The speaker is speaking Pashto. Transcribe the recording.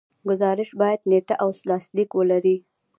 ګزارش باید نیټه او لاسلیک ولري.